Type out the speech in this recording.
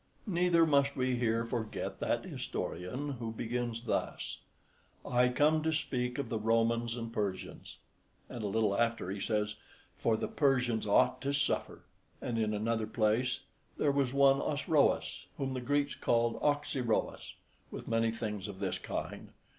Neither must we here forget that historian who begins thus: "I come to speak of the Romans and Persians;" and a little after he says, "for the Persians ought to suffer;" and in another place, "there was one Osroes, whom the Greeks call Oxyrrhoes," with many things of this kind.